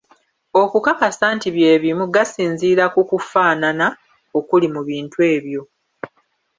Okukakasa nti bye bimu gasinziira ku kukufaanana okuli mu bintu ebyo.